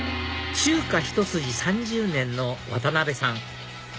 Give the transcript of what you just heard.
中華一筋３０年の渡辺さん